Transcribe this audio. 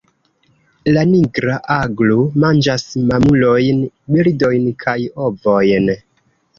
La Nigra aglo manĝas mamulojn, birdojn kaj ovojn.